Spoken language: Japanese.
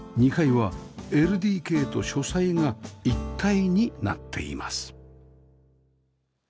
２階は ＬＤＫ と書斎が一体になっています